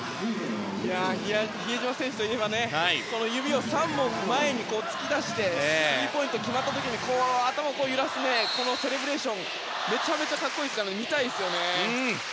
比江島選手といえば指を３本前に突き出してスリーポイントが決まった時に頭を揺らすセレブレーションがめちゃくちゃ格好いいですからね見たいですよね。